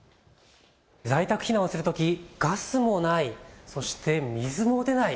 在宅避難をするときガスもない、そして水も出ない。